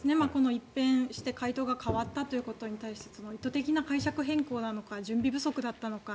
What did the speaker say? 一変して回答が変わったということについて意図的な解釈変更なのか準備不足だったのか。